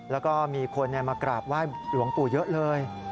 แล้วก็มีคนมากราบไหว้หลวงปู่เยอะเลย